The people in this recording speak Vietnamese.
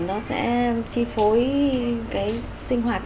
nó sẽ chi phối sinh hoạt của mình